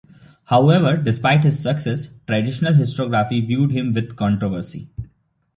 However, despite his success, traditional historiography viewed him with controversy.